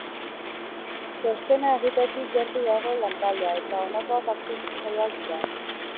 Txostena egitetik gertu dago lantaldea, eta honakoak azken saioak dira.